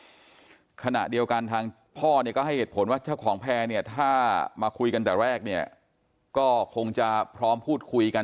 ขณะเดียวกันทางพ่อเนี่ยก็ให้เหตุผลว่าเจ้าของแพร่เนี่ยถ้ามาคุยกันแต่แรกเนี่ยก็คงจะพร้อมพูดคุยกัน